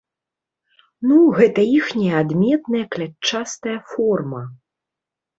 Ну, гэтая іхняя адметная клятчастая форма.